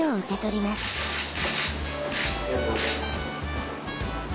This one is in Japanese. ありがとうございます。